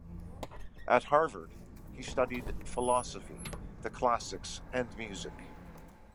At Harvard, he studied philosophy, the classics, and music.